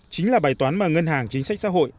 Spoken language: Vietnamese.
chính là bài toán mà ngân hàng chính sách xã hội